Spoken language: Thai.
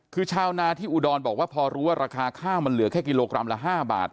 คือชาวนาที่อุดรบอกว่าพอรู้ว่าราคาข้าวมันเหลือแค่กิโลกรัมละ๕บาท